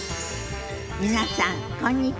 皆さんこんにちは。